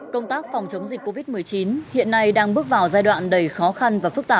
công tác phòng chống dịch covid một mươi chín hiện nay đang bước vào giai đoạn đầy khó khăn